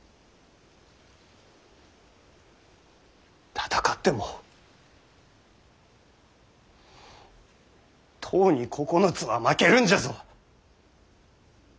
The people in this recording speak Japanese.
戦っても十に九つは負けるんじゃぞ。